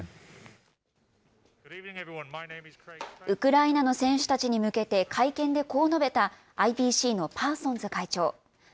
ウクライナの選手たちに向けて会見でこう述べた、ＩＰＣのパーソンズ会長。